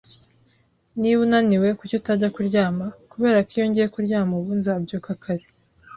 "Niba unaniwe, kuki utajya kuryama?" "Kuberako iyo ngiye kuryama ubu nzabyuka kare."